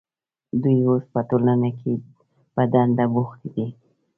دوی اوس په ټولنه کې په دنده بوختې دي.